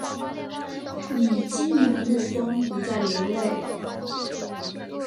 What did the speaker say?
你晶莹的目光不再流泪